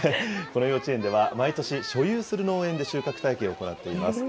この幼稚園では、毎年、所有する農園で収穫体験を行っています。